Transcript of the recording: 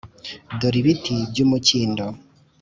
dore ibiti by’umukindo.